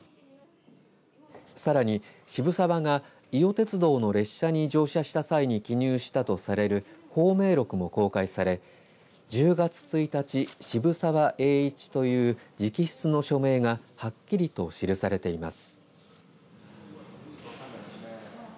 さらに、渋沢が伊予鉄道の列車に乗車した際に記入したとされる芳名録も公開され十月一日澁澤栄一という直筆の署名がはっきりと記されています。